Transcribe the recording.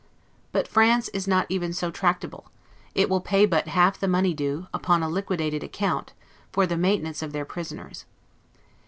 But France is not even so tractable; it will pay but half the money due, upon a liquidated account, for the maintenance of their prisoners.